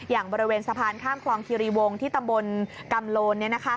อย่างบริเวณสะพานข้ามคลองคิรีวงที่ตำบลกำโลน